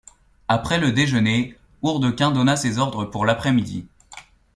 Après le déjeuner, Hourdequin donna ses ordres pour l’après-midi.